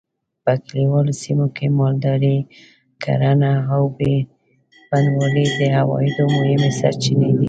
په کلیوالي سیمو کې مالداري؛ کرهڼه او بڼوالي د عوایدو مهمې سرچینې دي.